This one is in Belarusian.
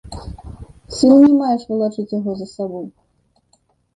Сіл не маеш валачыць яго за сабой.